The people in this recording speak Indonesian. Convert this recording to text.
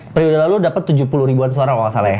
periode lalu dapat tujuh puluh ribuan suara kalau nggak salah ya